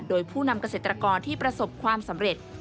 โดยผู้นำเกษตรกรที่ประสบความสำเร็จ